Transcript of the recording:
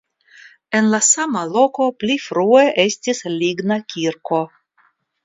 En la samo loko pli frue estis ligna kirko.